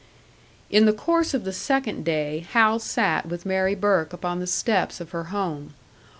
In the course of the second day Hal sat with Mary Burke upon the steps of her home.